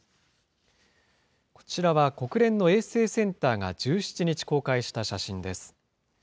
こちらは国連の衛星センターが１７日、公開した写真です。